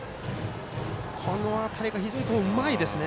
この辺りが非常にうまいですね